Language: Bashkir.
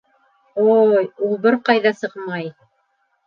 Ой, ул бер ҡайҙа сыҡмай!